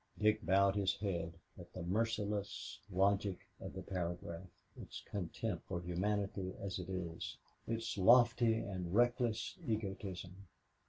Dick bowed his head at the merciless logic of the paragraph, its contempt for humanity as it is, its lofty and reckless egotism.